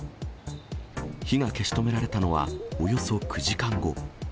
火が消し止められたのは、およそ９時間後。